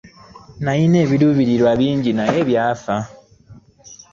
Nalina ebiruubirirwa bingi naye byafa.